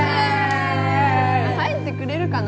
入ってくれるかな？